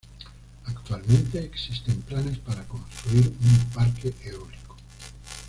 Actualmente existen planes para construir un parque eólico.